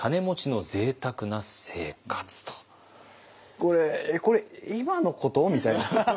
これこれ今のこと？みたいな。